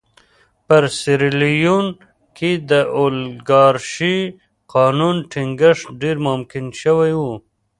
په سیریلیون کې د اولیګارشۍ قانون ټینګښت ډېر ممکن شوی و.